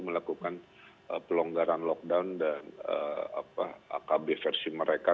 melakukan pelonggaran lockdown dan akb versi mereka